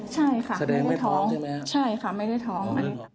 ใช่ค่ะไม่ได้ท้องใช่ค่ะไม่ได้ท้อง